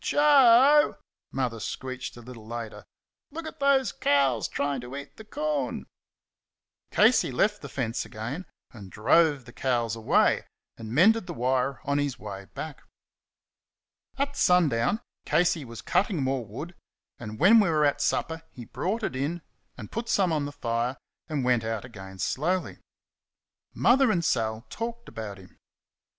"J OE," Mother screeched a little later, "look at those cows tryin' to eat the corn." Casey left the fence again and drove the cows away, and mended the wire on his way back. At sundown Casey was cutting more wood, and when we were at supper he brought it in and put some on the fire, and went out again slowly. Mother and Sal talked about him.